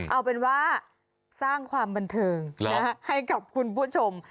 เอาเป็นว่าสร้างความบันเทิงให้กับคุณผู้ชม